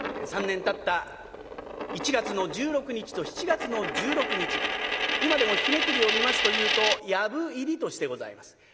３年たった１月の１６日と７月の１６日今でも日めくりを見ますというと「藪入り」としてございます。